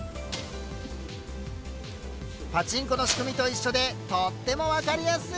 パチンコの仕組みと一緒でとっても分かりやすい。